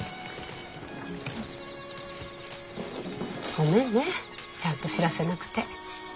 ごめんねちゃんと知らせなくて。